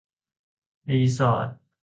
รีสอร์ท